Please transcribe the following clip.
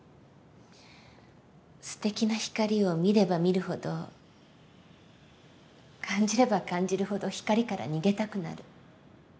すてきな光を見れば見るほど感じれば感じるほど光から逃げたくなる。